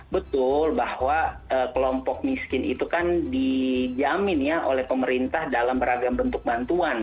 betul bahwa kelompok miskin itu kan dijamin ya oleh pemerintah dalam beragam bentuk bantuan